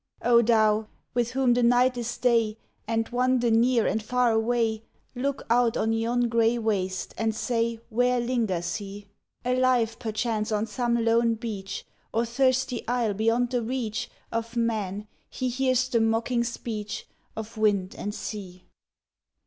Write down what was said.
"O Thou! with whom the night is day And one the near and far away, Look out on yon gray waste, and say Where lingers he. Alive, perchance, on some lone beach Or thirsty isle beyond the reach Of man, he hears the mocking speech Of wind and sea.